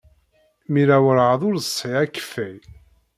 Mira werɛad ur d-tesɣi akeffay.